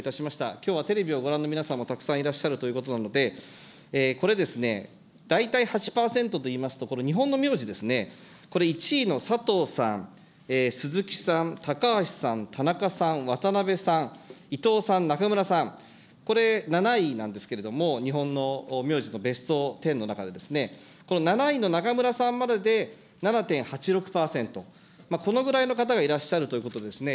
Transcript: きょうはテレビをご覧の皆さんもたくさんいらっしゃるということなので、これ、大体８％といいますと、これ、日本の名字ですね、これ、１位のさとうさん、鈴木さん、高橋さん、田中さん、渡辺さん、伊藤さん、中村さん、これ、７位なんですけれども、日本の名字のベスト１０の中で、この７位の中村さんまでで７．８６％、このぐらいの方がいらっしゃるということですね。